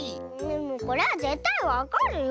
これはぜったいわかるよ。